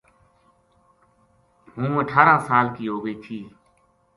ہوں اٹھارہ سال کی ہو گئی تھی